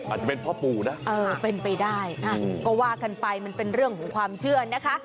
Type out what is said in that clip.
อาจจะเป็นพ่อปู่นะเออเป็นไปได้ก็ว่ากันไปมันเป็นเรื่องของความเชื่อนะคะ